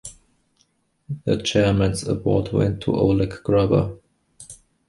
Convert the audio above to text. The Chairman's Award went to Oleg Grabar.